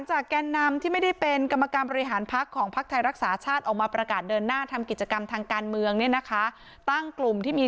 ใช่ดูไม่เหมือนภาพที่เราเคยเห็นไง